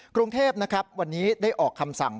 กรุงเทพนะครับวันนี้ได้ออกคำสั่ง